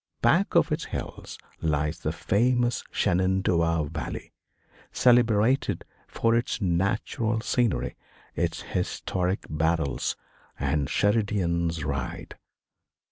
Back of its hills lies the famous Shenandoah Valley, celebrated for its natural scenery, its historic battles and "Sheridan's Ride."